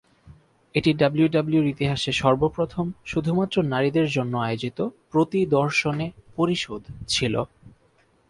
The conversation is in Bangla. এটি ডাব্লিউডাব্লিউইর ইতিহাসে সর্বপ্রথম শুধুমাত্র নারীদের জন্য আয়োজিত প্রতি-দর্শনে-পরিশোধ ছিল।